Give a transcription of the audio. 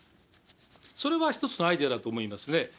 それは一つのアイデアだと思いますね。